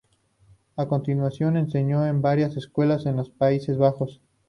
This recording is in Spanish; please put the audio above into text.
A continuación, enseñó en varias escuelas en los Países Bajos.